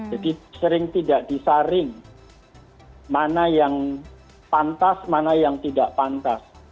jadi sering tidak disaring mana yang pantas mana yang tidak pantas